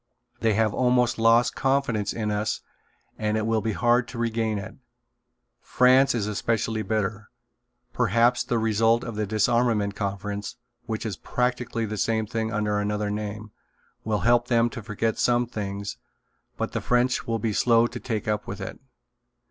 They have almost lost confidence in us and it will be hard to regain it. France is especially bitter. Perhaps the result of the Disarmament Conference, which is practically the same thing under another name, will help them to forget some things, but the French will be slow to take up with it.